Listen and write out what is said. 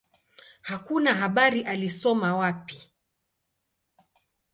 Hakuna habari alisoma wapi.